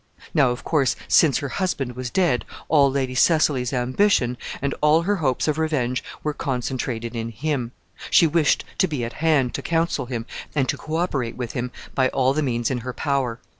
Now, of course, since her husband was dead, all Lady Cecily's ambition, and all her hopes of revenge were concentrated in him. She wished to be at hand to counsel him, and to co operate with him by all the means in her power.